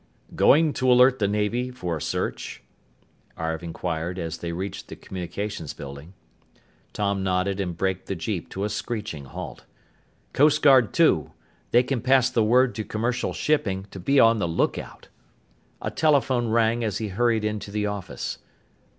"Going to alert the Navy for a search?" Arv inquired as they reached the communications building. Tom nodded and braked the jeep to a screeching halt. "Coast Guard too. They can pass the word to commercial shipping to be on the lookout." A telephone rang as he hurried into the office.